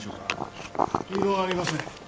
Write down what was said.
異論ありません。